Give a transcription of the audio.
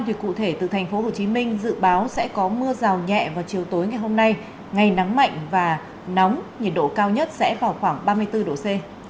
thì cụ thể từ tp hcm dự báo sẽ có mưa rào nhẹ vào chiều tối ngày hôm nay ngày nắng mạnh và nóng nhiệt độ cao nhất sẽ vào khoảng ba mươi bốn độ c